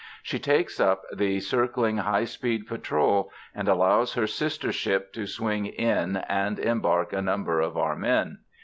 She takes up the circling high speed patrol and allows her sister ship to swing in and embark a number of our men.